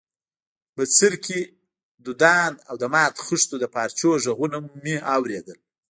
بڅرکي، دودان او د ماتو خښتو د پارچو ږغونه مو اورېدل.